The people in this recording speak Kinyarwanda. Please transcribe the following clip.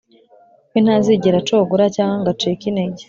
We ntazigera acogora, cyangwa ngo acike intege,